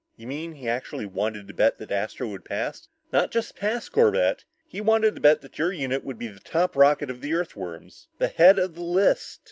"You mean, he actually wanted to bet that Astro would pass?" "Not just pass, Corbett, but he wanted to bet that your unit would be top rocket of the Earthworms! The head of the list!"